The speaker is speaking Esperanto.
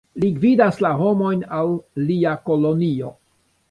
Li gvidas la homojn al lia kolonio.